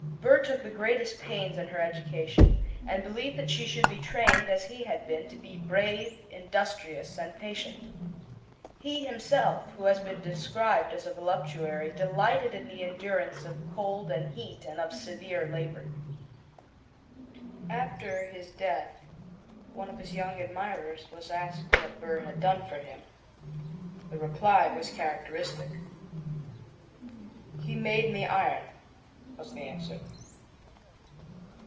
Burr took the greatest pains in her education, and believed that she should be trained, as he had been, to be brave, industrious, and patient. He himself, who has been described as a voluptuary, delighted in the endurance of cold and heat and of severe labor. After his death one of his younger admirers was asked what Burr had done for him. The reply was characteristic. "He made me iron," was the answer.